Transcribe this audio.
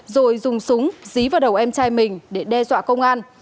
rồi dùng súng dí vào đầu em trai mình để đe dọa công an